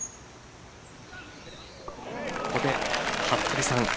ここで服部さん